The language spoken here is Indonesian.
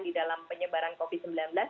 di dalam penyebaran covid sembilan belas